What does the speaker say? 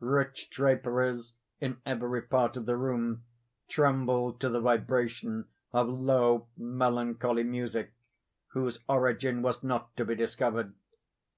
Rich draperies in every part of the room trembled to the vibration of low, melancholy music, whose origin was not to be discovered.